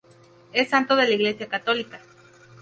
Es santo de la iglesia católica.